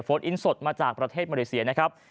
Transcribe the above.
โฟตอินสดมาจากประเทศมเมริเซียนะครับ